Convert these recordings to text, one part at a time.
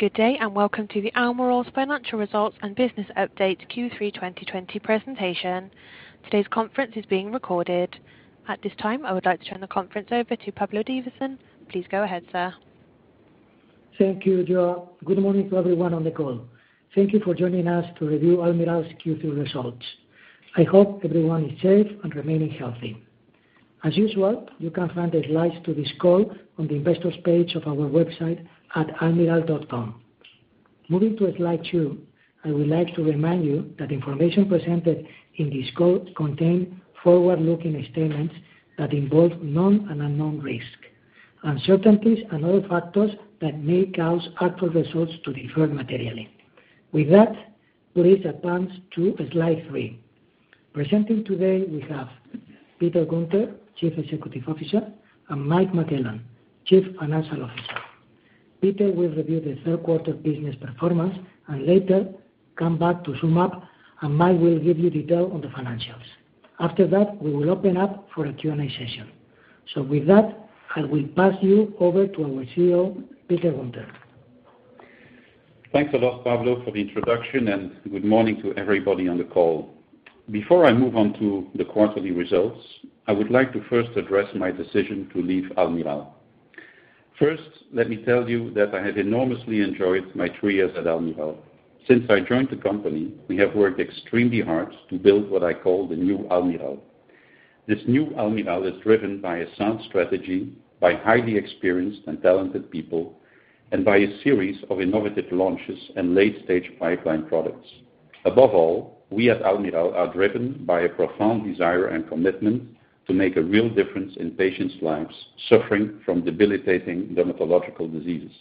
Good day, and welcome to the Almirall's Financial Results and Business Update Q3 2020 presentation. Today's conference is being recorded. At this time, I would like to turn the conference over to Pablo Divasson. Please go ahead, sir. Thank you, Jo. Good morning to everyone on the call. Thank you for joining us to review Almirall's Q3 results. I hope everyone is safe and remaining healthy. As usual, you can find the slides to this call on the Investors page of our website at almirall.com. Moving to slide two, I would like to remind you that the information presented in this call contain forward-looking statements that involve known and unknown risks, uncertainties and other factors that may cause actual results to differ materially. With that, please advance to slide three. Presenting today we have Peter Guenter, Chief Executive Officer, and Mike McClellan, Chief Financial Officer. Peter will review the third quarter business performance and later come back to sum up. Mike will give you detail on the financials. After that, we will open up for a Q&A session. With that, I will pass you over to our CEO, Peter Guenter. Thanks a lot, Pablo, for the introduction, and good morning to everybody on the call. Before I move on to the quarterly results, I would like to first address my decision to leave Almirall. First, let me tell you that I have enormously enjoyed my three years at Almirall. Since I joined the company, we have worked extremely hard to build what I call the new Almirall. This new Almirall is driven by a sound strategy, by highly experienced and talented people, and by a series of innovative launches and late-stage pipeline products. Above all, we at Almirall are driven by a profound desire and commitment to make a real difference in patients' lives suffering from debilitating dermatological diseases.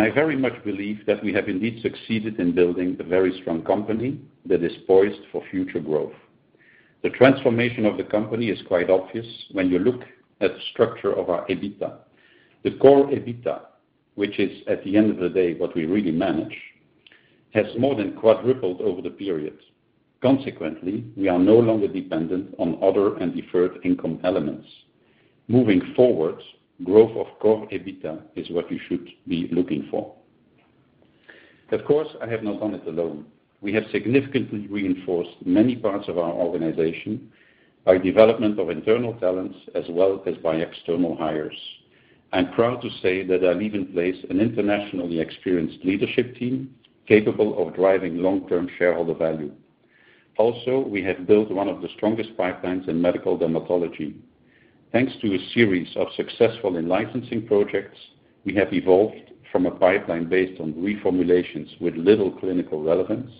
I very much believe that we have indeed succeeded in building a very strong company that is poised for future growth. The transformation of the company is quite obvious when you look at the structure of our EBITDA. The core EBITDA, which is, at the end of the day, what we really manage, has more than quadrupled over the period. Consequently, we are no longer dependent on other and deferred income elements. Moving forward, growth of core EBITDA is what you should be looking for. Of course, I have not done it alone. We have significantly reinforced many parts of our organization by development of internal talents as well as by external hires. I'm proud to say that I leave in place an internationally experienced leadership team capable of driving long-term shareholder value. Also, we have built one of the strongest pipelines in medical dermatology. Thanks to a series of successful in-licensing projects, we have evolved from a pipeline based on reformulations with little clinical relevance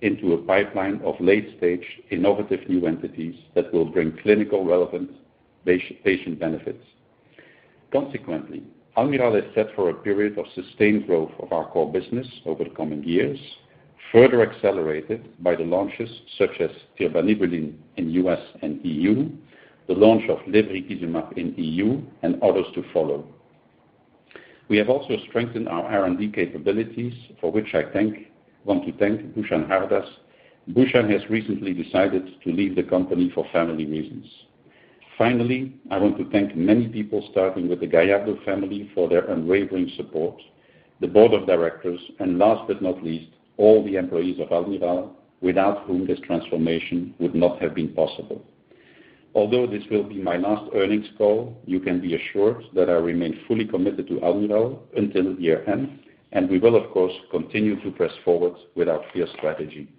into a pipeline of late-stage innovative new entities that will bring clinical relevance patient benefits. Consequently, Almirall is set for a period of sustained growth of our core business over the coming years, further accelerated by the launches such as tirbanibulin in U.S. and EU, the launch of lebrikizumab in EU, and others to follow. We have also strengthened our R&D capabilities, for which I want to thank Bhushan Hardas. Bhushan has recently decided to leave the company for family reasons. Finally, I want to thank many people, starting with the Gallardo family for their unwavering support, the board of directors, and last but not least, all the employees of Almirall, without whom this transformation would not have been possible. Although this will be my last earnings call, you can be assured that I remain fully committed to Almirall until the year-end, and we will, of course, continue to press forward with our clear strategy.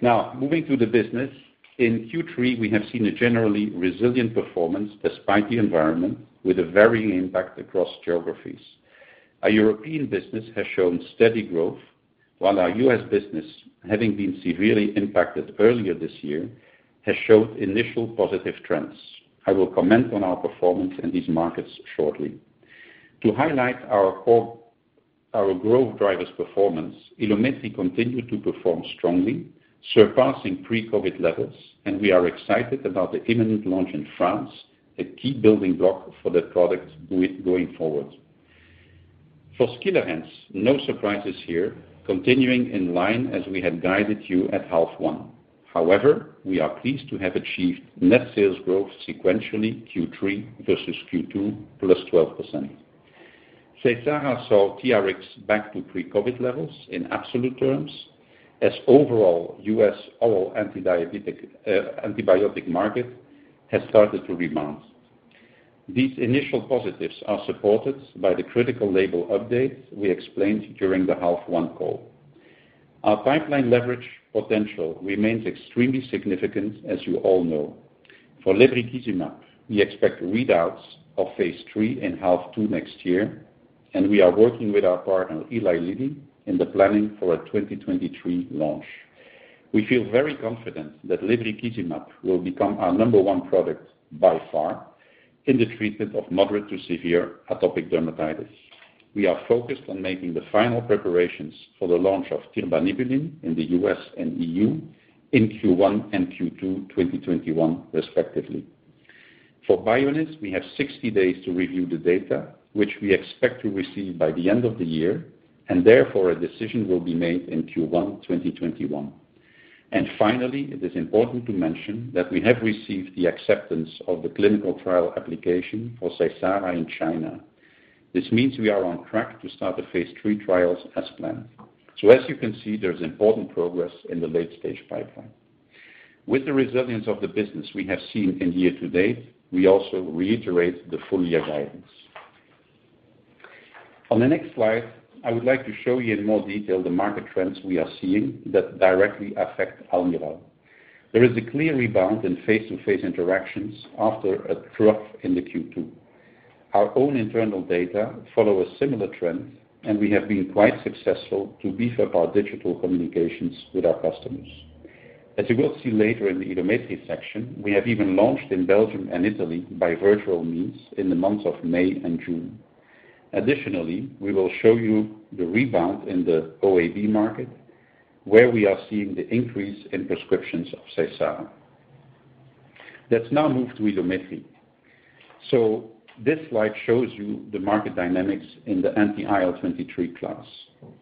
Now, moving to the business. In Q3, we have seen a generally resilient performance despite the environment, with a varying impact across geographies. Our European business has shown steady growth, while our U.S. business, having been severely impacted earlier this year, has showed initial positive trends. I will comment on our performance in these markets shortly. To highlight our growth drivers performance, Ilumetri continued to perform strongly, surpassing pre-COVID levels, and we are excited about the imminent launch in France, a key building block for the product going forward. For Skilarence, no surprises here, continuing in line as we had guided you at half one. However, we are pleased to have achieved net sales growth sequentially Q3 versus Q2, plus 12%. SEYSARA saw TRx back to pre-COVID levels in absolute terms as overall U.S. oral antibiotic market has started to rebound. These initial positives are supported by the critical label updates we explained during the half-one call. Our pipeline leverage potential remains extremely significant as you all know. For lebrikizumab, we expect readouts of phase III in half two next year, and we are working with our partner, Eli Lilly, in the planning for a 2023 launch. We feel very confident that lebrikizumab will become our number one product by far in the treatment of moderate to severe atopic dermatitis. We are focused on making the final preparations for the launch of tirbanibulin in the U.S. and EU in Q1 and Q2 2021 respectively. For Bioniz, we have 60 days to review the data, which we expect to receive by the end of the year. Therefore, a decision will be made in Q1 2021. Finally, it is important to mention that we have received the acceptance of the clinical trial application for SEYSARA in China. This means we are on track to start the phase III trials as planned. As you can see, there's important progress in the late-stage pipeline. With the resilience of the business we have seen in year to date, we also reiterate the full year guidance. On the next slide, I would like to show you in more detail the market trends we are seeing that directly affect Almirall. There is a clear rebound in face-to-face interactions after a trough in the Q2. Our own internal data follow a similar trend. We have been quite successful to beef up our digital communications with our customers. As you will see later in the Ilumetri section, we have even launched in Belgium and Italy by virtual means in the months of May and June. Additionally, we will show you the rebound in the OAB market, where we are seeing the increase in prescriptions of SEYSARA. Let's now move to Ilumetri. This slide shows you the market dynamics in the anti-IL-23 class.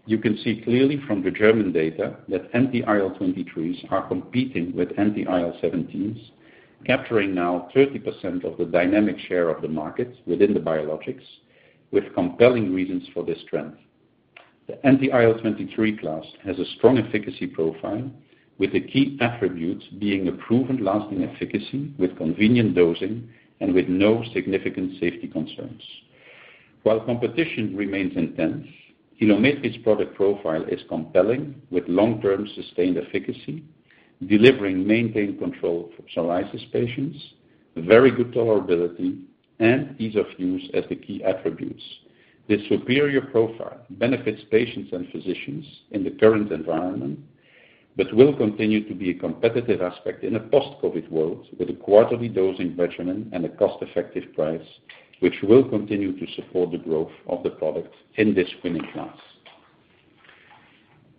You can see clearly from the German data that anti-IL-23s are competing with anti-IL-17s, capturing now 30% of the dynamic share of the market within the biologics, with compelling reasons for this trend. The anti-IL-23 class has a strong efficacy profile, with the key attributes being a proven lasting efficacy with convenient dosing and with no significant safety concerns. While competition remains intense, Ilumetri's product profile is compelling, with long-term sustained efficacy, delivering maintained control for psoriasis patients, very good tolerability, and ease of use as the key attributes. This superior profile benefits patients and physicians in the current environment but will continue to be a competitive aspect in a post-COVID world with a quarterly dosing regimen and a cost-effective price, which will continue to support the growth of the product in this winning class.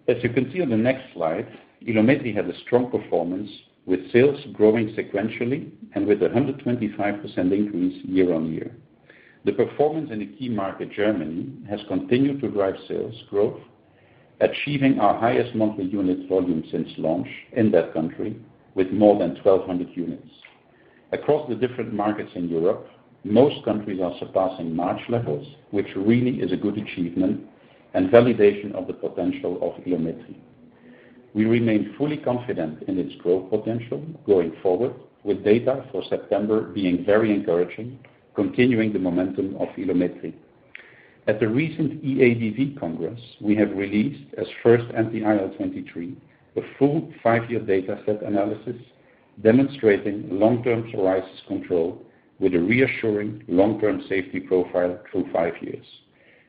As you can see on the next slide, Ilumetri had a strong performance with sales growing sequentially and with 125% increase year-on-year. The performance in the key market, Germany, has continued to drive sales growth, achieving our highest monthly unit volume since launch in that country, with more than 1,200 units. Across the different markets in Europe, most countries are surpassing March levels, which really is a good achievement and validation of the potential of Ilumetri. We remain fully confident in its growth potential going forward, with data for September being very encouraging, continuing the momentum of Ilumetri. At the recent EADV Congress, we have released, as first anti-IL-23, a full five-year data set analysis demonstrating long-term psoriasis control with a reassuring long-term safety profile through five years.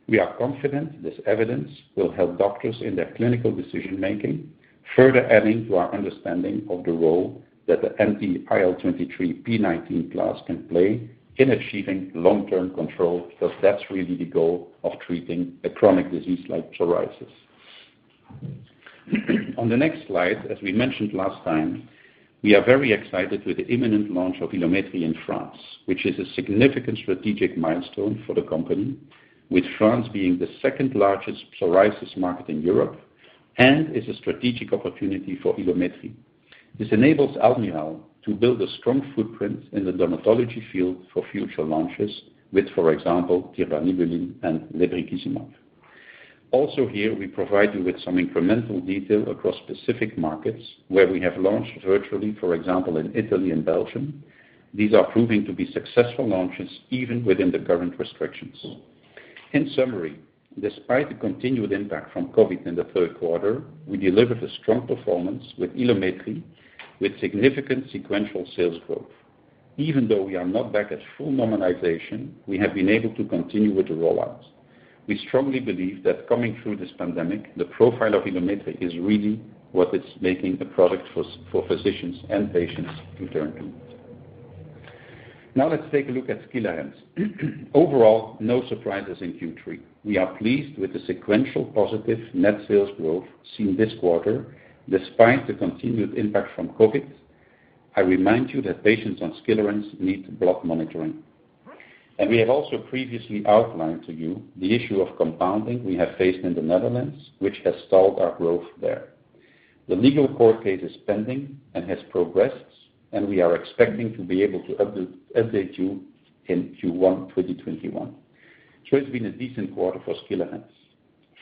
We are confident this evidence will help doctors in their clinical decision-making, further adding to our understanding of the role that the anti-IL-23p19 class can play in achieving long-term control, because that's really the goal of treating a chronic disease like psoriasis. On the next slide, as we mentioned last time, we are very excited with the imminent launch of Ilumetri in France, which is a significant strategic milestone for the company, with France being the second-largest psoriasis market in Europe and is a strategic opportunity for Ilumetri. This enables Almirall to build a strong footprint in the dermatology field for future launches with, for example, tirbanibulin and lebrikizumab. Here, we provide you with some incremental detail across specific markets where we have launched virtually, for example, in Italy and Belgium. These are proving to be successful launches even within the current restrictions. In summary, despite the continued impact from COVID in the third quarter, we delivered a strong performance with Ilumetri, with significant sequential sales growth. Even though we are not back at full normalization, we have been able to continue with the rollout. We strongly believe that coming through this pandemic, the profile of Ilumetri is really what is making a product for physicians and patients in turn. Let's take a look at Skilarence. Overall, no surprises in Q3. We are pleased with the sequential positive net sales growth seen this quarter, despite the continued impact from COVID. I remind you that patients on Skilarence need blood monitoring. We have also previously outlined to you the issue of compounding we have faced in the Netherlands, which has stalled our growth there. The legal court case is pending and has progressed, and we are expecting to be able to update you in Q1 2021. It's been a decent quarter for Skilarence.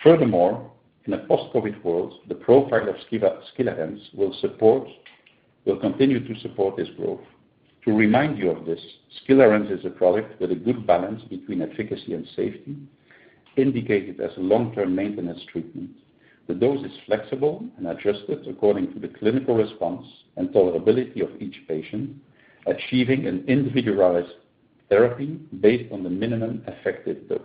Furthermore, in a post-COVID world, the profile of Skilarence will continue to support this growth. To remind you of this, Skilarence is a product with a good balance between efficacy and safety, indicated as a long-term maintenance treatment. The dose is flexible and adjusted according to the clinical response and tolerability of each patient, achieving an individualized therapy based on the minimum effective dose.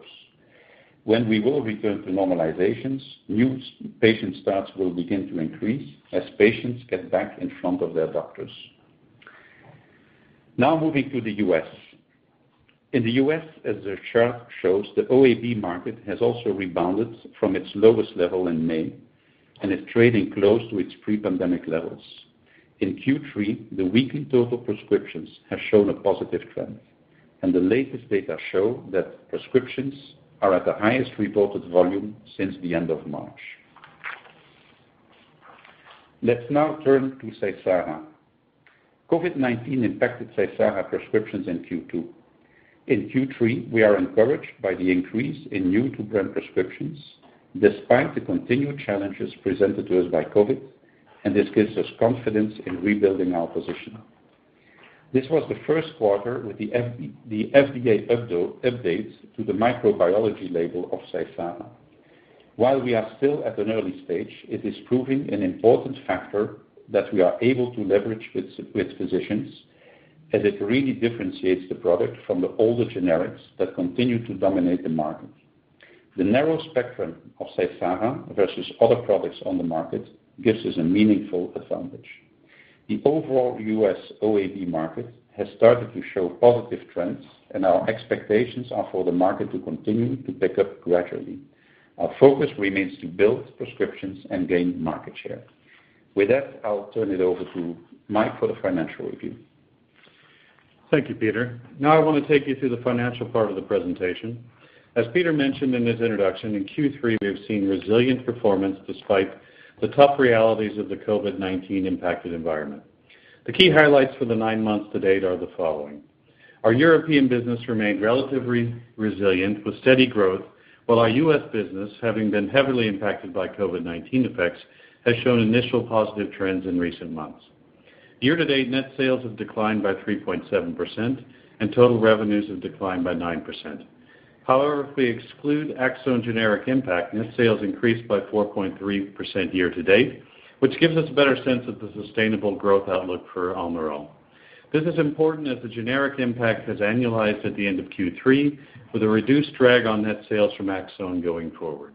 When we will return to normalizations, new patient starts will begin to increase as patients get back in front of their doctors. Now moving to the U.S. In the U.S., as the chart shows, the OAB market has also rebounded from its lowest level in May and is trading close to its pre-pandemic levels. In Q3, the weekly total prescriptions have shown a positive trend, and the latest data show that prescriptions are at the highest reported volume since the end of March. Let's now turn to SEYSARA. COVID-19 impacted SEYSARA prescriptions in Q2. In Q3, we are encouraged by the increase in new-to-brand prescriptions despite the continued challenges presented to us by COVID, and this gives us confidence in rebuilding our position. This was the first quarter with the FDA update to the microbiology label of SEYSARA. While we are still at an early stage, it is proving an important factor that we are able to leverage with physicians, as it really differentiates the product from the older generics that continue to dominate the market. The narrow spectrum of SEYSARA versus other products on the market gives us a meaningful advantage. The overall U.S. OAD market has started to show positive trends, and our expectations are for the market to continue to pick up gradually. Our focus remains to build prescriptions and gain market share. With that, I'll turn it over to Mike for the financial review. Thank you, Peter. Now I want to take you through the financial part of the presentation. As Peter mentioned in his introduction, in Q3, we have seen resilient performance despite the tough realities of the COVID-19 impacted environment. The key highlights for the nine months to date are the following. Our European business remained relatively resilient with steady growth, while our U.S. business, having been heavily impacted by COVID-19 effects, has shown initial positive trends in recent months. Year-to-date net sales have declined by 3.7%, and total revenues have declined by 9%. However, if we exclude Aczone generic impact, net sales increased by 4.3% year-to-date, which gives us a better sense of the sustainable growth outlook for Almirall. This is important as the generic impact has annualized at the end of Q3, with a reduced drag on net sales from Aczone going forward.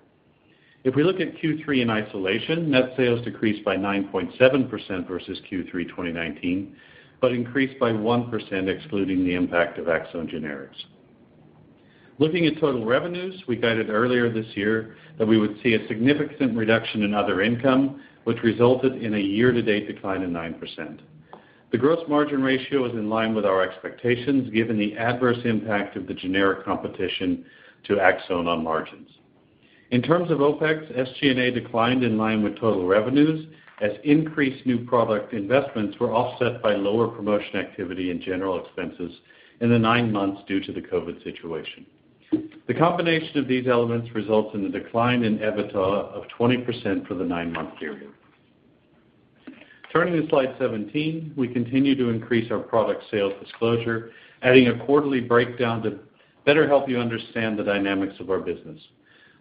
If we look at Q3 in isolation, net sales decreased by 9.7% versus Q3 2019, but increased by 1% excluding the impact of Aczone generics. Looking at total revenues, we guided earlier this year that we would see a significant reduction in other income, which resulted in a year-to-date decline of 9%. The gross margin ratio is in line with our expectations, given the adverse impact of the generic competition to Aczone on margins. In terms of OpEx, SG&A declined in line with total revenues, as increased new product investments were offset by lower promotion activity and general expenses in the nine months due to the COVID situation. The combination of these elements results in a decline in EBITDA of 20% for the nine-month period. Turning to slide 17, we continue to increase our product sales disclosure, adding a quarterly breakdown to better help you understand the dynamics of our business.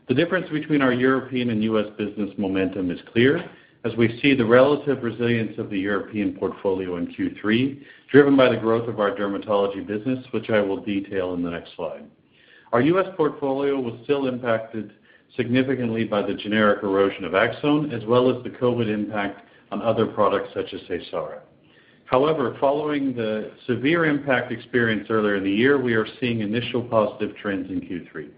The difference between our European and U.S. business momentum is clear, as we see the relative resilience of the European portfolio in Q3, driven by the growth of our dermatology business, which I will detail in the next slide. Our U.S. portfolio was still impacted significantly by the generic erosion of Aczone, as well as the COVID impact on other products such as SEYSARA. However, following the severe impact experienced earlier in the year, we are seeing initial positive trends in Q3.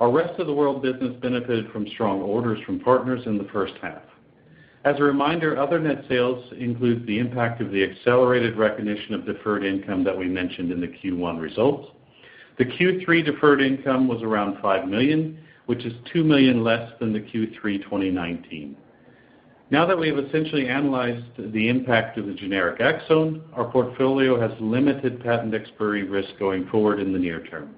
Our rest-of-the-world business benefited from strong orders from partners in the first half. As a reminder, other net sales includes the impact of the accelerated recognition of deferred income that we mentioned in the Q1 results. The Q3 deferred income was around 5 million, which is 2 million less than the Q3 2019. Now that we have essentially analyzed the impact of the generic Aczone, our portfolio has limited patent expiry risk going forward in the near term.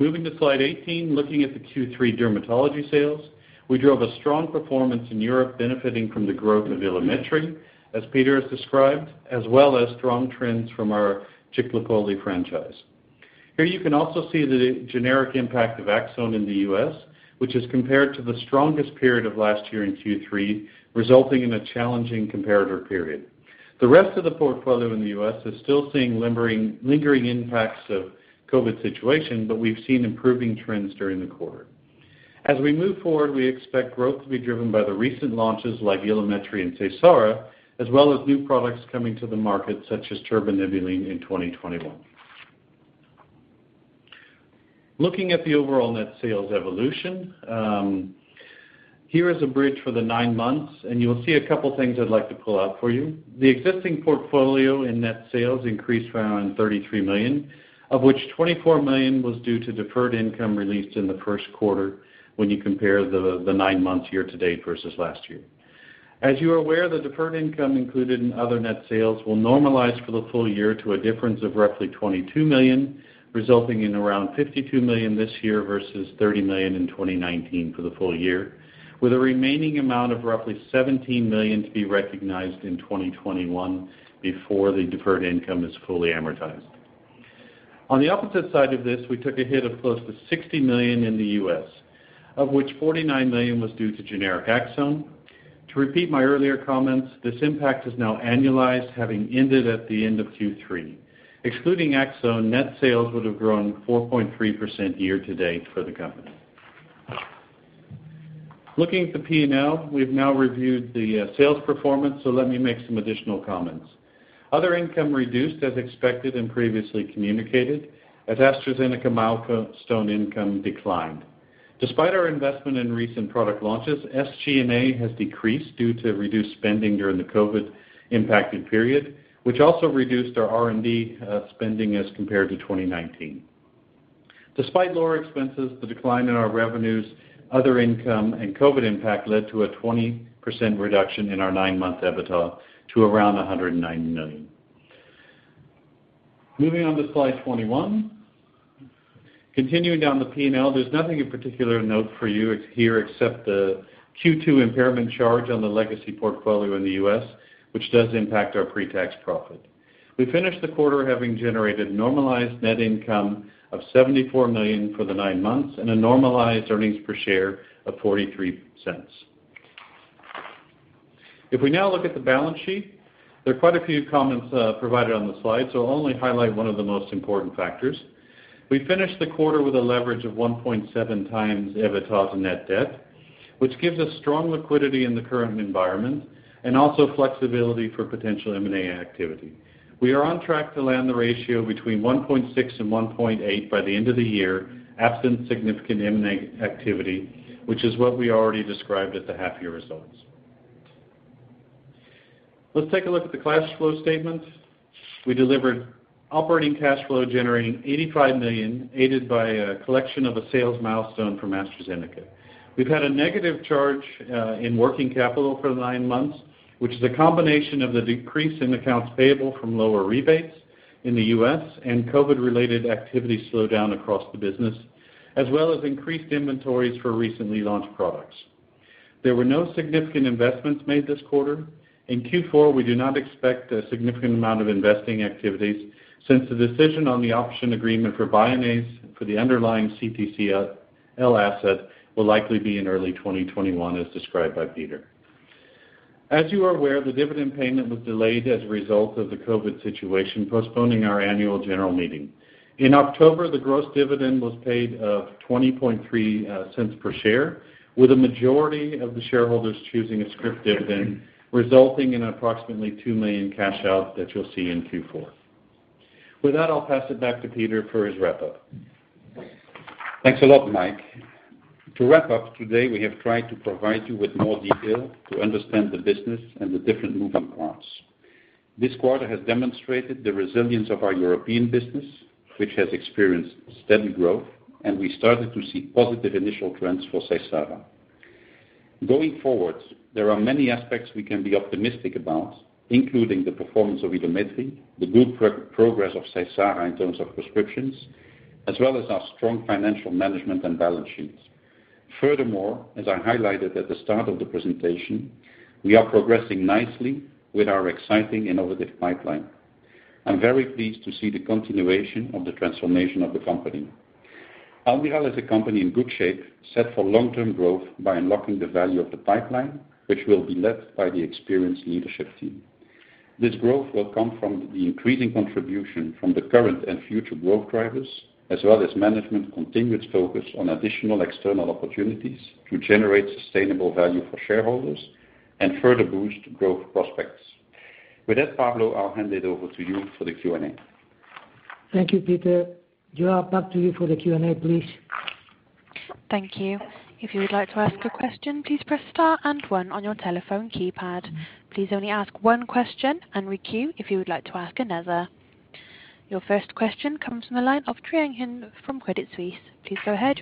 Moving to slide 18, looking at the Q3 dermatology sales, we drove a strong performance in Europe benefiting from the growth of Ilumetri, as Peter has described, as well as strong trends from our Ciclopoli franchise. Here you can also see the generic impact of Aczone in the U.S., which is compared to the strongest period of last year in Q3, resulting in a challenging comparator period. The rest of the portfolio in the U.S. is still seeing lingering impacts of COVID situation. We've seen improving trends during the quarter. As we move forward, we expect growth to be driven by the recent launches like Ilumetri and SEYSARA, as well as new products coming to the market, such as tirbanibulin in 2021. Looking at the overall net sales evolution, here is a bridge for the nine months, and you'll see a couple of things I'd like to pull out for you. The existing portfolio in net sales increased around 33 million, of which 24 million was due to deferred income released in the first quarter when you compare the nine months year-to-date versus last year. As you are aware, the deferred income included in other net sales will normalize for the full year to a difference of roughly 22 million, resulting in around 52 million this year versus 30 million in 2019 for the full year, with a remaining amount of roughly 17 million to be recognized in 2021 before the deferred income is fully amortized. On the opposite side of this, we took a hit of close to 60 million in the U.S., of which 49 million was due to generic Aczone. To repeat my earlier comments, this impact is now annualized, having ended at the end of Q3. Excluding Aczone, net sales would have grown 4.3% year-to-date for the company. Looking at the P&L, we've now reviewed the sales performance, so let me make some additional comments. Other income reduced as expected and previously communicated, as AstraZeneca milestone income declined. Despite our investment in recent product launches, SG&A has decreased due to reduced spending during the COVID-impacted period, which also reduced our R&D spending as compared to 2019. Despite lower expenses, the decline in our revenues, other income, and COVID impact led to a 20% reduction in our nine-month EBITDA to around 190 million. Moving on to slide 21. Continuing down the P&L, there's nothing of particular note for you here except the Q2 impairment charge on the legacy portfolio in the U.S., which does impact our pre-tax profit. We finished the quarter having generated normalized net income of 74 million for the nine months and a normalized earnings per share of 0.43. If we now look at the balance sheet, there are quite a few comments provided on the slide, so I'll only highlight one of the most important factors. We finished the quarter with a leverage of 1.7x EBITDA and net debt, which gives us strong liquidity in the current environment and also flexibility for potential M&A activity. We are on track to land the ratio between 1.6 and 1.8 by the end of the year, absent significant M&A activity, which is what we already described at the half-year results. Let's take a look at the cash flow statement. We delivered operating cash flow generating 85 million, aided by a collection of a sales milestone from AstraZeneca. We've had a negative charge in working capital for nine months, which is a combination of the decrease in accounts payable from lower rebates in the U.S. and COVID-related activity slowdown across the business, as well as increased inventories for recently launched products. There were no significant investments made this quarter. In Q4, we do not expect a significant amount of investing activities since the decision on the option agreement for Bioniz for the underlying CTCL asset will likely be in early 2021, as described by Peter. As you are aware, the dividend payment was delayed as a result of the COVID situation, postponing our annual general meeting. In October, the gross dividend was paid of 0.203 per share, with a majority of the shareholders choosing a scrip dividend, resulting in approximately 2 million cash out that you'll see in Q4. With that, I'll pass it back to Peter for his wrap-up. Thanks a lot, Mike. To wrap up today, we have tried to provide you with more detail to understand the business and the different moving parts. This quarter has demonstrated the resilience of our European business, which has experienced steady growth, and we started to see positive initial trends for SEYSARA. Going forward, there are many aspects we can be optimistic about, including the performance of Ilumetri, the good progress of SEYSARA in terms of prescriptions, as well as our strong financial management and balance sheets. As I highlighted at the start of the presentation, we are progressing nicely with our exciting innovative pipeline. I'm very pleased to see the continuation of the transformation of the company. Almirall is a company in good shape, set for long-term growth by unlocking the value of the pipeline, which will be led by the experienced leadership team. This growth will come from the increasing contribution from the current and future growth drivers, as well as management's continuous focus on additional external opportunities to generate sustainable value for shareholders and further boost growth prospects. With that, Pablo, I'll hand it over to you for the Q&A. Thank you, Peter. Jo, back to you for the Q&A, please. Thank you. If you would like to ask a question, please press star and one on your telephone keypad. Please only ask one question and re-queue if you would like to ask another. Your first question comes from the line of Trung Huynh from Credit Suisse. Please go ahead.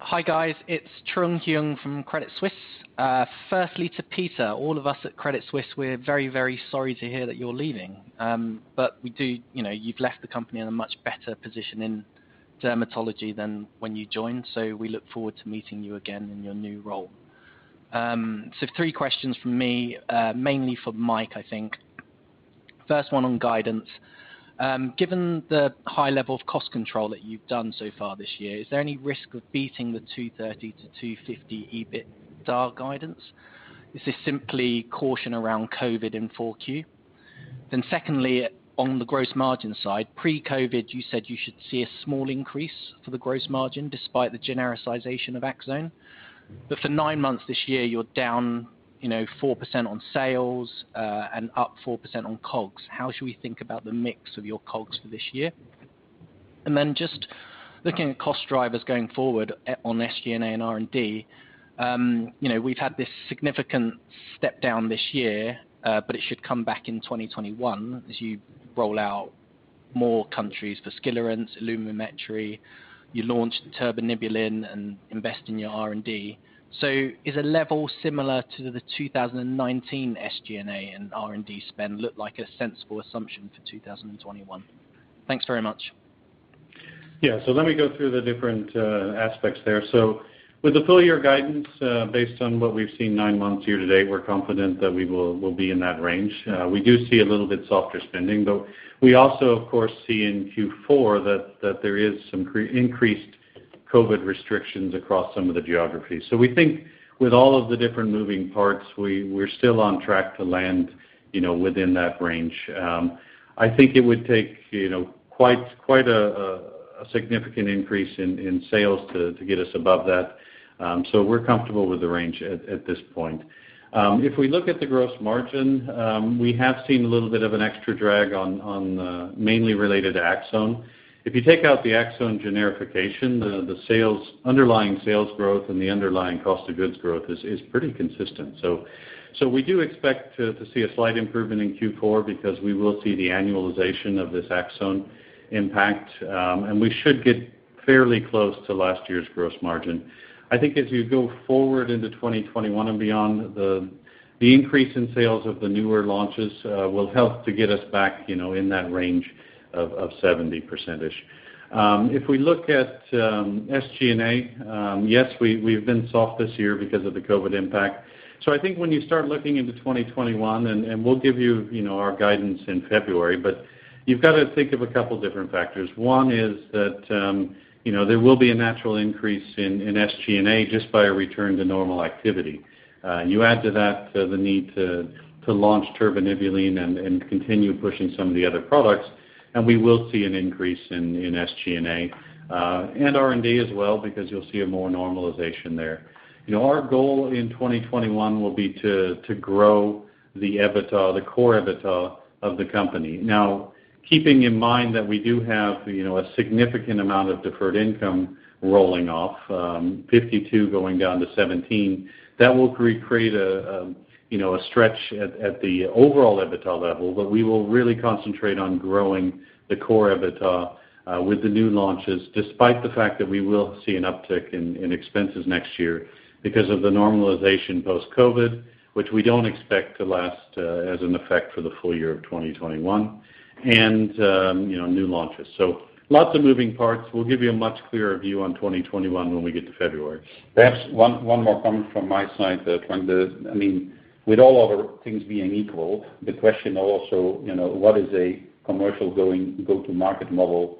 Hi, guys. It's Trung Huynh from Credit Suisse. Firstly, to Peter, all of us at Credit Suisse, we're very sorry to hear that you're leaving. You've left the company in a much better position in dermatology than when you joined. We look forward to meeting you again in your new role. Three questions from me, mainly for Mike, I think. First one on guidance. Given the high level of cost control that you've done so far this year, is there any risk of beating the 230 million-250 million EBITDA guidance? Is this simply caution around COVID in 4Q? Secondly, on the gross margin side, pre-COVID, you said you should see a small increase for the gross margin despite the genericization of Aczone. For nine months this year, you're down 4% on sales and up 4% on COGS. How should we think about the mix of your COGS for this year? Then just looking at cost drivers going forward on SG&A and R&D. We've had this significant step down this year, but it should come back in 2021 as you roll out more countries for Skilarence, Ilumetri, you launch tirbanibulin and invest in your R&D. Is a level similar to the 2019 SG&A and R&D spend look like a sensible assumption for 2021? Thanks very much. Yeah. Let me go through the different aspects there. With the full year guidance, based on what we've seen nine months here today, we're confident that we will be in that range. We do see a little bit softer spending, but we also, of course, see in Q4 that there is some increased COVID restrictions across some of the geographies. We think with all of the different moving parts, we're still on track to land within that range. I think it would take quite a significant increase in sales to get us above that. We're comfortable with the range at this point. If we look at the gross margin, we have seen a little bit of an extra drag mainly related to Aczone. If you take out the Aczone generification, the underlying sales growth and the underlying cost of goods growth is pretty consistent. We do expect to see a slight improvement in Q4 because we will see the annualization of this Aczone impact. We should get fairly close to last year's gross margin. I think as you go forward into 2021 and beyond, the increase in sales of the newer launches will help to get us back in that range of 70%-ish. If we look at SG&A, yes, we've been soft this year because of the COVID impact. I think when you start looking into 2021, and we'll give you our guidance in February, but you've got to think of a couple different factors. One is that there will be a natural increase in SG&A just by a return to normal activity. You add to that the need to launch tirbanibulin and continue pushing some of the other products, and we will see an increase in SG&A, and R&D as well, because you'll see a more normalization there. Our goal in 2021 will be to grow the core EBITDA of the company. Now, keeping in mind that we do have a significant amount of deferred income rolling off, 52 going down to 17. That will create a stretch at the overall EBITDA level, but we will really concentrate on growing the core EBITDA with the new launches, despite the fact that we will see an uptick in expenses next year because of the normalization post-COVID, which we don't expect to last as an effect for the full year of 2021, and new launches. Lots of moving parts. We'll give you a much clearer view on 2021 when we get to February. Perhaps one more comment from my side. With all other things being equal, the question also, what is a commercial go-to-market model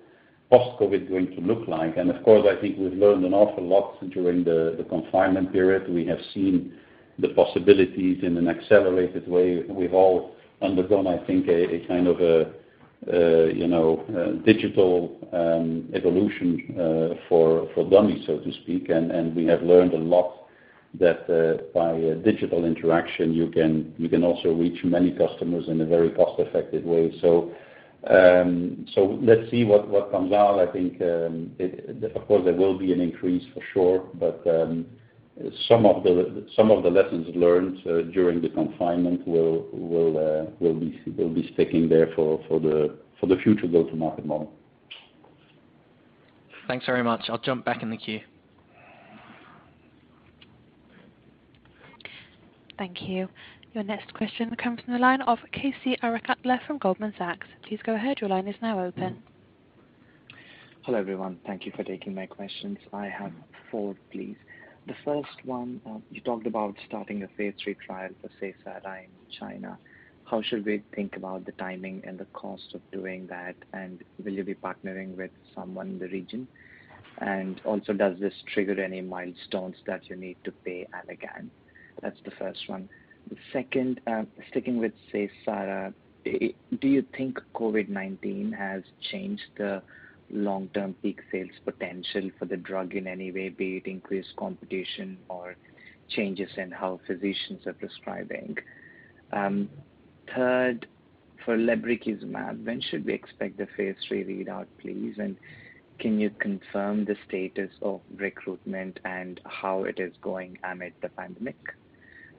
post-COVID going to look like? Of course, I think we've learned an awful lot during the confinement period. We have seen the possibilities in an accelerated way. We've all undergone, I think, a kind of digital evolution for dummies, so to speak. We have learned a lot that by digital interaction you can also reach many customers in a very cost-effective way. Let's see what comes out. I think, of course, there will be an increase for sure, but some of the lessons learned during the confinement will be sticking there for the future go-to-market model. Thanks very much. I'll jump back in the queue. Thank you. Your next question comes from the line of K.C Arikatla from Goldman Sachs. Hello, everyone. Thank you for taking my questions. I have four, please. The first one, you talked about starting a phase III trial for SEYSARA in China. How should we think about the timing and the cost of doing that, will you be partnering with someone in the region? Also, does this trigger any milestones that you need to pay Allergan? That's the first one. The second, sticking with SEYSARA, do you think COVID-19 has changed the long-term peak sales potential for the drug in any way, be it increased competition or changes in how physicians are prescribing? Third, for lebrikizumab, when should we expect the phase III readout, please? Can you confirm the status of recruitment and how it is going amid the pandemic?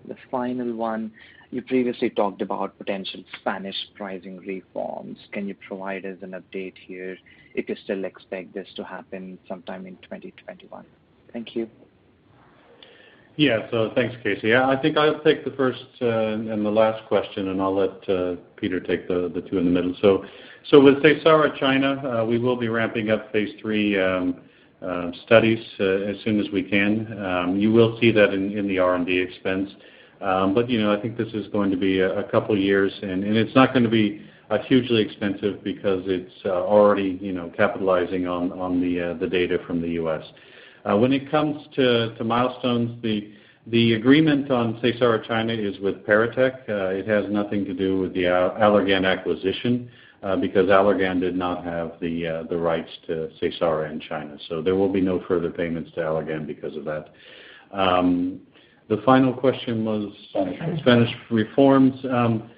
The final one, you previously talked about potential Spanish pricing reforms. Can you provide us an update here if you still expect this to happen sometime in 2021? Thank you. Yeah. Thanks, K.C. I think I'll take the first and the last question, and I'll let Peter take the two in the middle. With SEYSARA China, we will be ramping up phase III studies as soon as we can. You will see that in the R&D expense. I think this is going to be a couple years, and it's not going to be hugely expensive because it's already capitalizing on the data from the U.S. When it comes to milestones, the agreement on SEYSARA China is with Paratek. It has nothing to do with the Allergan acquisition because Allergan did not have the rights to SEYSARA in China. There will be no further payments to Allergan because of that. The final question was. Spanish reforms. Spanish reforms.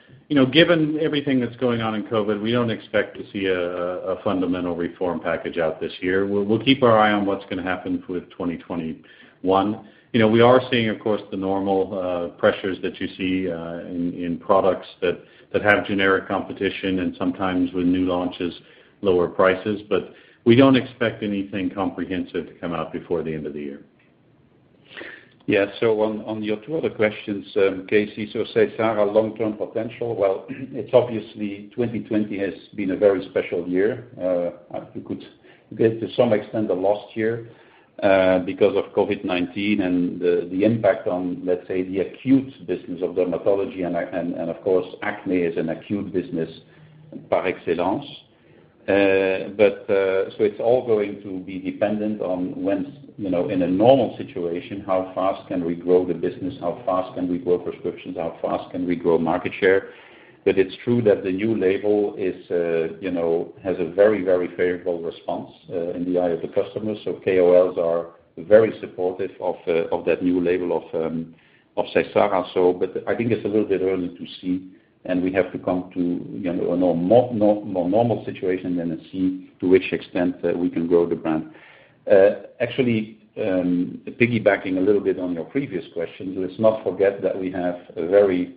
Given everything that's going on in COVID, we don't expect to see a fundamental reform package out this year. We'll keep our eye on what's going to happen with 2021. We are seeing, of course, the normal pressures that you see in products that have generic competition and sometimes with new launches, lower prices, but we don't expect anything comprehensive to come out before the end of the year. Yeah. On your two other questions, K.C. SEYSARA long-term potential. Obviously 2020 has been a very special year. You could get to some extent the last year because of COVID-19 and the impact on the acute business of dermatology, and of course, acne is an acute business par excellence. It's all going to be dependent on when in a normal situation, how fast can we grow the business, how fast can we grow prescriptions, how fast can we grow market share? It's true that the new label has a very, very favorable response in the eye of the customer. KOLs are very supportive of that new label of SEYSARA. I think it's a little bit early to see, and we have to come to a more normal situation and then see to which extent that we can grow the brand. Actually, piggybacking a little bit on your previous question, let's not forget that we have a very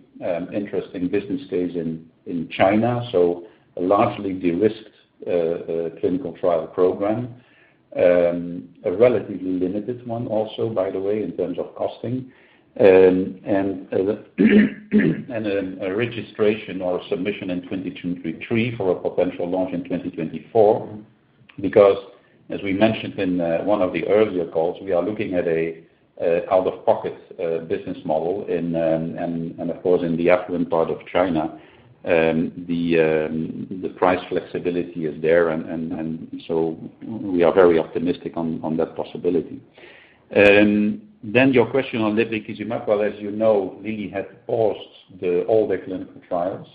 interesting business case in China, so a largely de-risked clinical trial program. A relatively limited one also, by the way, in terms of costing. Then a registration or a submission in 2023 for a potential launch in 2024. As we mentioned in one of the earlier calls, we are looking at an out-of-pocket business model. Of course, in the affluent part of China, the price flexibility is there. We are very optimistic on that possibility. Your question on lebrikizumab. Well, as you know, Lilly had paused all their clinical trials.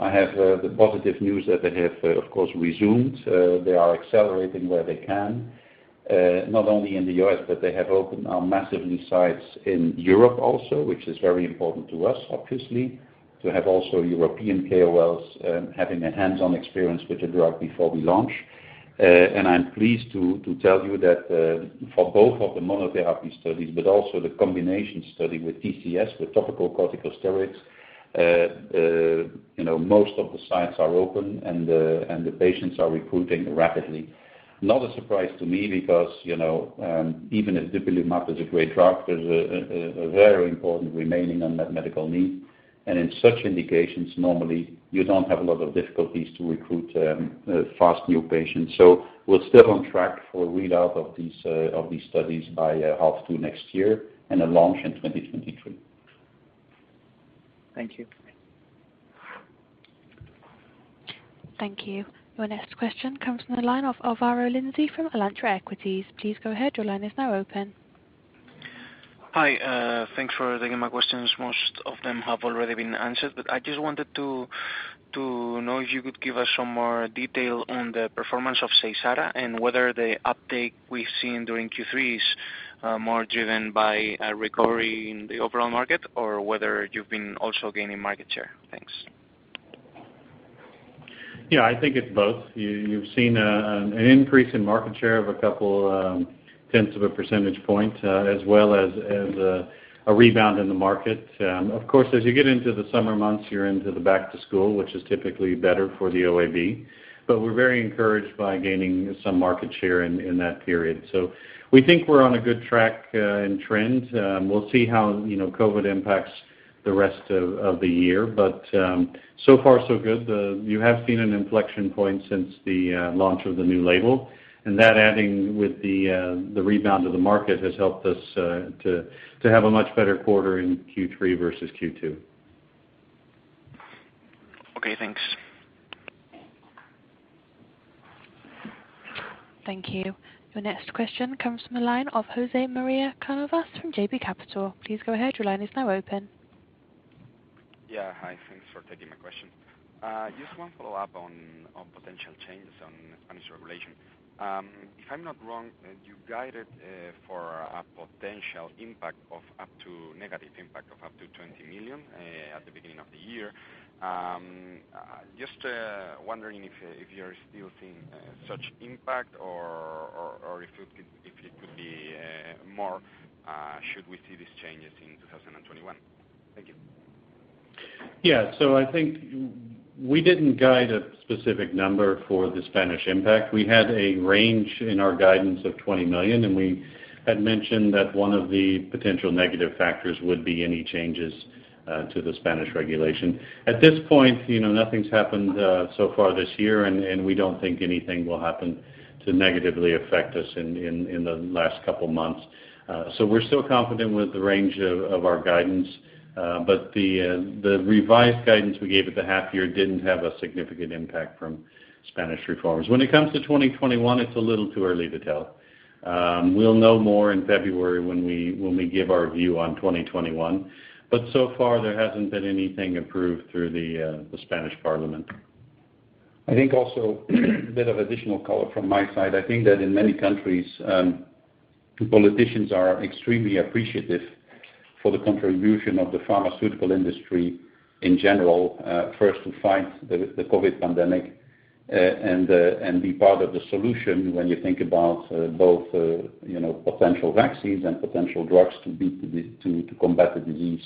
I have the positive news that they have, of course, resumed. They are accelerating where they can, not only in the U.S., but they have opened massively sites in Europe also, which is very important to us, obviously, to have also European KOLs having a hands-on experience with the drug before we launch. I'm pleased to tell you that for both of the monotherapy studies, but also the combination study with TCS, with topical corticosteroids, most of the sites are open and the patients are recruiting rapidly. Not a surprise to me, because even if lebrikizumab is a great drug, there's a very important remaining unmet medical need. In such indications, normally you don't have a lot of difficulties to recruit fast new patients. We're still on track for a readout of these studies by half two next year and a launch in 2023. Thank you. Thank you. Your next question comes from the line of Álvaro Lenze from Alantra Equities. Please go ahead. Your line is now open. Hi. Thanks for taking my questions. Most of them have already been answered, I just wanted to know if you could give us some more detail on the performance of SEYSARA, and whether the uptake we've seen during Q3 is more driven by a recovery in the overall market, or whether you've been also gaining market share. Thanks. Yeah, I think it's both. You've seen an increase in market share of a couple tenths of a percentage point, as well as a rebound in the market. Of course, as you get into the summer months, you're into the back to school, which is typically better for the OAB. We're very encouraged by gaining some market share in that period. We think we're on a good track and trend. We'll see how COVID impacts the rest of the year. So far so good. You have seen an inflection point since the launch of the new label, and that adding with the rebound of the market has helped us to have a much better quarter in Q3 versus Q2. Okay, thanks. Thank you. Your next question comes from the line of José María Cánovas from JB Capital. Please go ahead. Your line is now open. Yeah. Hi, thanks for taking my question. Just one follow-up on potential changes on Spanish regulation. If I'm not wrong, you guided for a potential negative impact of up to 20 million at the beginning of the year. Just wondering if you're still seeing such impact or if it could be more, should we see these changes in 2021. Thank you. I think we didn't guide a specific number for the Spanish impact. We had a range in our guidance of 20 million, and we had mentioned that one of the potential negative factors would be any changes to the Spanish regulation. At this point, nothing's happened so far this year, and we don't think anything will happen to negatively affect us in the last couple months. We're still confident with the range of our guidance. The revised guidance we gave at the half year didn't have a significant impact from Spanish reforms. When it comes to 2021, it's a little too early to tell. We'll know more in February when we give our view on 2021. So far there hasn't been anything approved through the Spanish Parliament. I think also, a bit of additional color from my side. I think that in many countries, politicians are extremely appreciative for the contribution of the pharmaceutical industry in general. First, to fight the COVID pandemic, and be part of the solution when you think about both potential vaccines and potential drugs to combat the disease.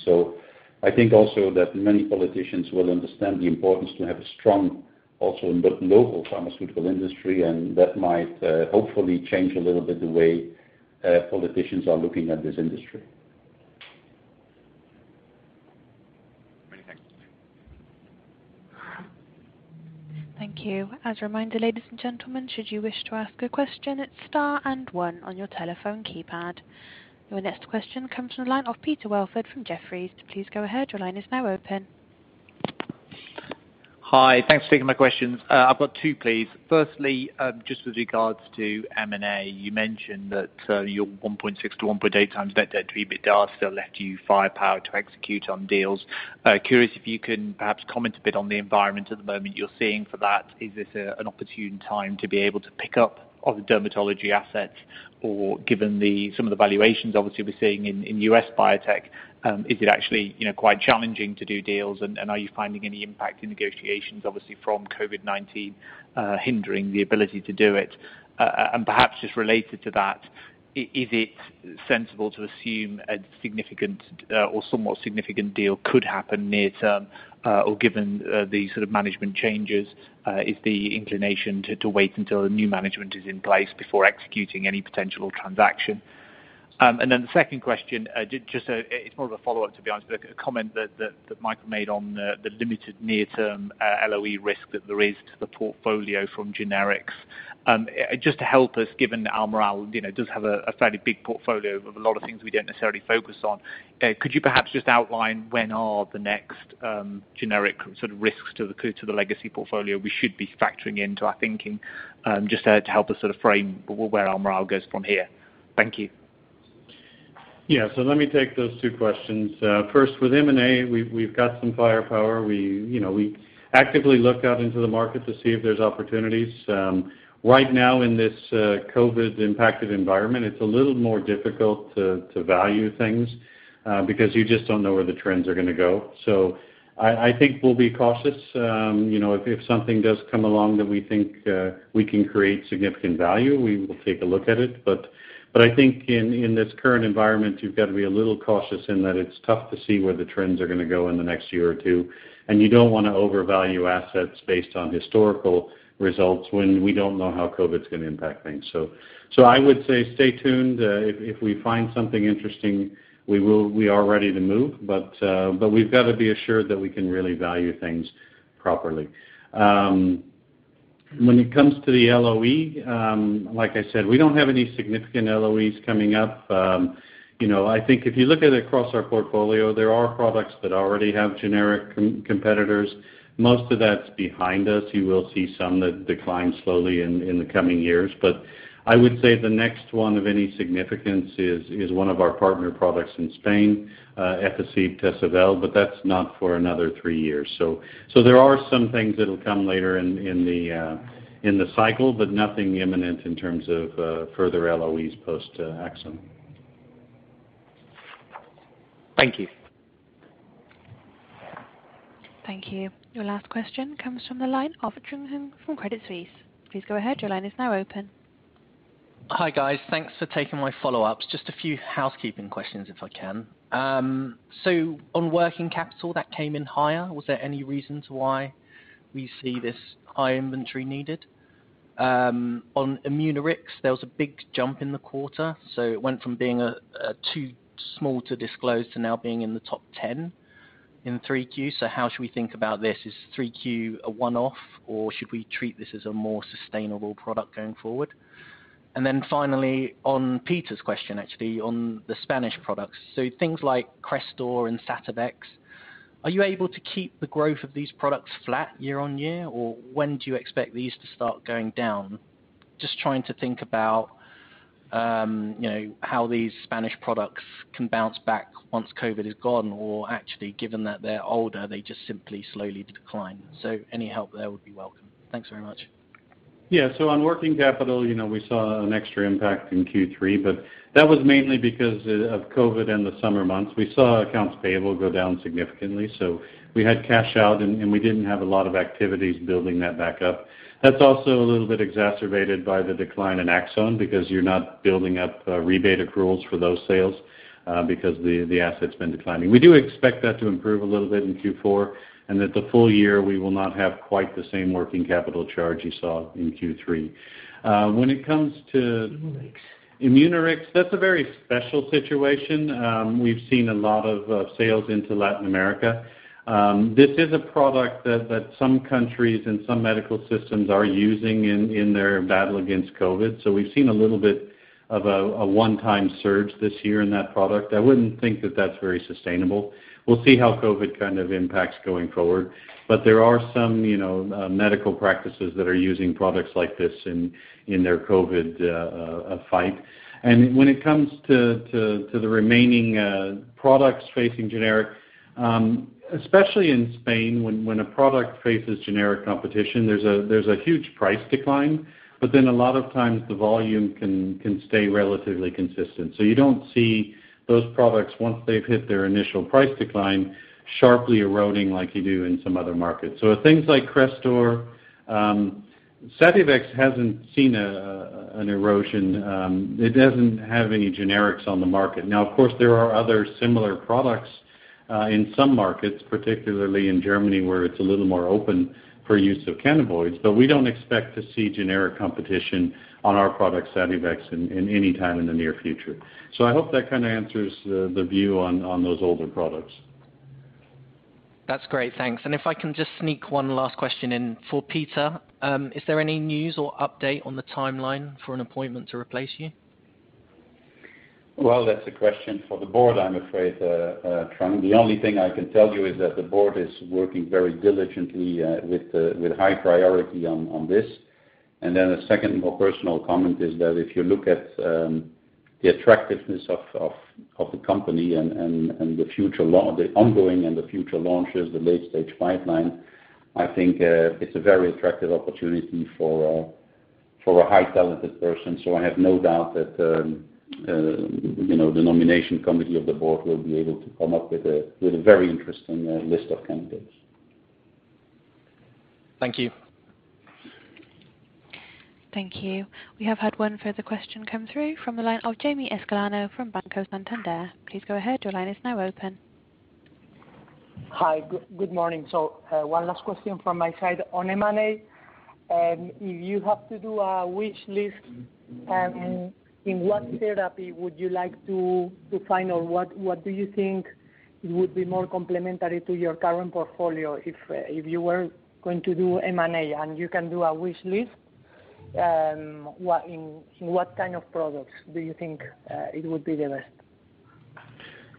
I think also that many politicians will understand the importance to have a strong, also in the local pharmaceutical industry, and that might hopefully change a little bit the way politicians are looking at this industry. Many thanks. Thank you. As a reminder, ladies and gentlemen, should you wish to ask a question, it is star and one on your telephone keypad. Your next question comes from the line of Peter Welford from Jefferies. Please go ahead. Your line is now open. Hi. Thanks for taking my questions. I've got two, please. Firstly, just with regards to M&A, you mentioned that your 1.6x to 1.8x debt to EBITDA still left you firepower to execute on deals. Curious if you can perhaps comment a bit on the environment at the moment you're seeing for that. Is this an opportune time to be able to pick up other dermatology assets? Or given some of the valuations obviously we're seeing in U.S. biotech, is it actually quite challenging to do deals, and are you finding any impact in negotiations, obviously from COVID-19 hindering the ability to do it? Perhaps just related to that, is it sensible to assume a significant or somewhat significant deal could happen near term, or given the sort of management changes, is the inclination to wait until the new management is in place before executing any potential transaction? The second question, it's more of a follow-up to be honest, but a comment that Mike made on the limited near-term LOE risk that there is to the portfolio from generics. Just to help us, given Almirall does have a fairly big portfolio of a lot of things we don't necessarily focus on, could you perhaps just outline when are the next generic sort of risks to the legacy portfolio we should be factoring into our thinking, just to help us sort of frame where Almirall goes from here? Thank you. Yeah. Let me take those two questions. First with M&A, we've got some firepower. We actively look out into the market to see if there's opportunities. Right now in this COVID-impacted environment, it's a little more difficult to value things, because you just don't know where the trends are going to go. I think we'll be cautious. If something does come along that we think we can create significant value, we will take a look at it. I think in this current environment, you've got to be a little cautious in that it's tough to see where the trends are going to go in the next year or two. You don't want to overvalue assets based on historical results when we don't know how COVID's going to impact things. I would say stay tuned. If we find something interesting, we are ready to move. We've got to be assured that we can really value things properly. When it comes to the LOE, like I said, we don't have any significant LOEs coming up. I think if you look at it across our portfolio, there are products that already have generic competitors. Most of that's behind us. You will see some that decline slowly in the coming years. I would say the next one of any significance is one of our partner products in Spain, Efficib, Tesavel, but that's not for another three years. There are some things that'll come later in the cycle, but nothing imminent in terms of further LOEs post Aczone. Thank you. Thank you. Your last question comes from the line of Trung Huynh from Credit Suisse. Hi, guys. Thanks for taking my follow-ups. Just a few housekeeping questions if I can. On working capital, that came in higher. Was there any reason to why we see this high inventory needed? On Imunorix, there was a big jump in the quarter. It went from being too small to disclose to now being in the top 10 in Q3. How should we think about this? Is Q3 a one-off, or should we treat this as a more sustainable product going forward? Finally, on Peter's question, actually, on the Spanish products. Things like Crestor and Sativex, are you able to keep the growth of these products flat year-over-year, or when do you expect these to start going down? Just trying to think about how these Spanish products can bounce back once COVID is gone, or actually, given that they're older, they just simply slowly decline. Any help there would be welcome. Thanks very much. On working capital, we saw an extra impact in Q3, but that was mainly because of COVID in the summer months. We saw accounts payable go down significantly, so we had cash out, and we didn't have a lot of activities building that back up. That's also a little bit exacerbated by the decline in Aczone, because you're not building up rebate accruals for those sales, because the asset's been declining. We do expect that to improve a little bit in Q4, and that the full year, we will not have quite the same working capital charge you saw in Q3. When it comes to. Imunorix Imunorix, that's a very special situation. We've seen a lot of sales into Latin America. This is a product that some countries and some medical systems are using in their battle against COVID. We've seen a little bit of a one-time surge this year in that product. I wouldn't think that that's very sustainable. We'll see how COVID kind of impacts going forward. There are some medical practices that are using products like this in their COVID fight. When it comes to the remaining products facing generic, especially in Spain, when a product faces generic competition, there's a huge price decline, but then a lot of times the volume can stay relatively consistent. You don't see those products, once they've hit their initial price decline, sharply eroding like you do in some other markets. Things like Crestor, Sativex hasn't seen an erosion. It doesn't have any generics on the market. Now, of course, there are other similar products in some markets, particularly in Germany, where it's a little more open for use of cannabinoids, but we don't expect to see generic competition on our product Sativex in any time in the near future. I hope that kind of answers the view on those older products. That's great. Thanks. If I can just sneak one last question in for Peter. Is there any news or update on the timeline for an appointment to replace you? Well, that's a question for the board, I'm afraid, Trung. The only thing I can tell you is that the board is working very diligently with high priority on this. A second more personal comment is that if you look at the attractiveness of the company and the ongoing and the future launches, the late-stage pipeline, I think it's a very attractive opportunity for a high talented person. I have no doubt that the nomination committee of the board will be able to come up with a very interesting list of candidates. Thank you. Thank you. We have had one further question come through from the line of Jaime Escribano from Banco Santander. Please go ahead. Your line is now open. Hi. Good morning. One last question from my side on M&A. If you have to do a wish list, in what therapy would you like to find or what do you think would be more complementary to your current portfolio if you were going to do M&A and you can do a wish list, in what kind of products do you think it would be the best?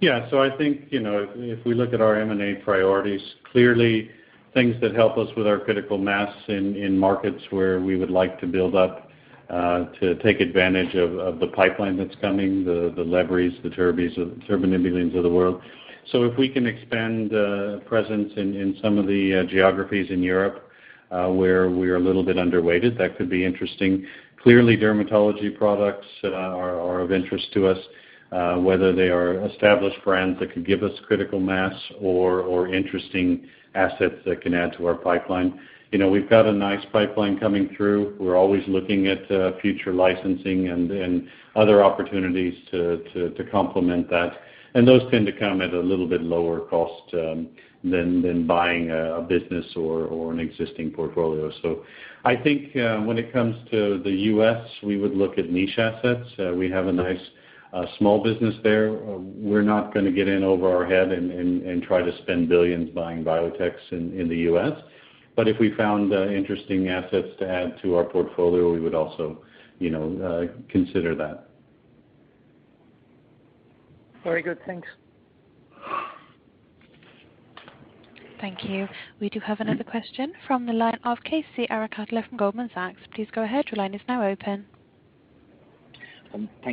Yeah. I think, if we look at our M&A priorities, clearly things that help us with our critical mass in markets where we would like to build up to take advantage of the pipeline that's coming, the lebrikizumab, the tirbanibulin of the world. If we can expand presence in some of the geographies in Europe, where we're a little bit underweighted, that could be interesting. Clearly, dermatology products are of interest to us, whether they are established brands that could give us critical mass or interesting assets that can add to our pipeline. We've got a nice pipeline coming through. We're always looking at future licensing and other opportunities to complement that. Those tend to come at a little bit lower cost than buying a business or an existing portfolio. I think when it comes to the U.S., we would look at niche assets. We have a nice small business there. We're not going to get in over our head and try to spend billions buying biotechs in the U.S. If we found interesting assets to add to our portfolio, we would also consider that. Very good. Thanks. Thank you. We do have another question from the line of K.C. Arikatla from Goldman Sachs. Please go ahead. Thank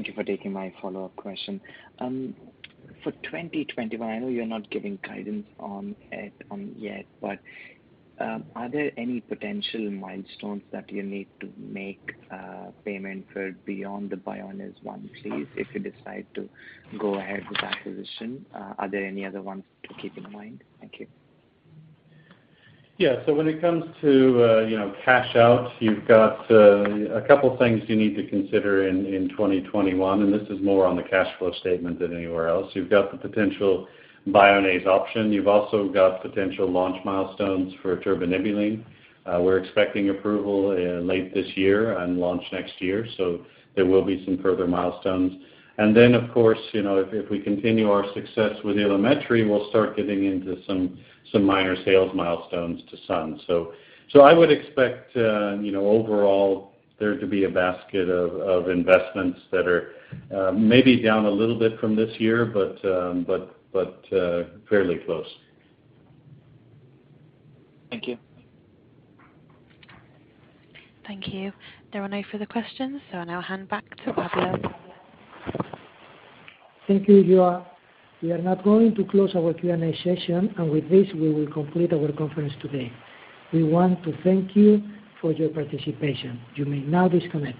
you for taking my follow-up question. For 2021, I know you're not giving guidance on it yet, but are there any potential milestones that you need to make payment for beyond the Bioniz one, please, if you decide to go ahead with acquisition? Are there any other ones to keep in mind? Thank you. When it comes to cash out, you've got a couple things you need to consider in 2021. This is more on the cash flow statement than anywhere else. You've got the potential Bioniz option. You've also got potential launch milestones for tirbanibulin. We're expecting approval late this year and launch next year. There will be some further milestones. Of course, if we continue our success with Ilumetri, we'll start getting into some minor sales milestones to Sun. I would expect overall there to be a basket of investments that are maybe down a little bit from this year, fairly close. Thank you. Thank you. There are no further questions, so I now hand back to Pablo. Thank you. We are now going to close our Q&A session. With this, we will complete our conference today. We want to thank you for your participation. You may now disconnect.